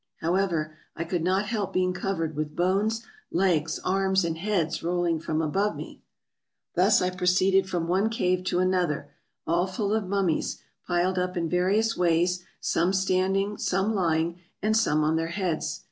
However, I could not help being covered with bones, legs, arms and heads rolling from above me. Thus I proceeded from one cave to another, all full of mum mies, piled up in various ways, some standing, some lying, and some on their heads.